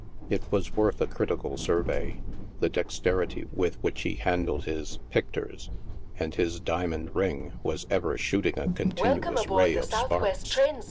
It was worth a critical survey — the dexterity with which he handled his " pictui's" — and his diamond ring was ever shooting a continu ous ray of sparks.